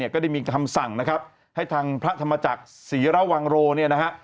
ก็ได้มีคำสั่งนะครับให้ทางพระธรรมจักรศรีระวังโรเนี่ยนะฮะ